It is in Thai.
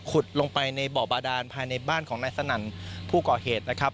ลงไปในบ่อบาดานภายในบ้านของนายสนั่นผู้ก่อเหตุนะครับ